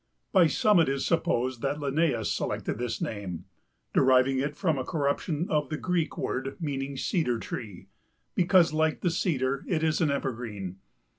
By some it is supposed that Linnaeus selected this name, deriving it from a corruption of the Greek word meaning cedar tree, because, like the cedar, it is an evergreen.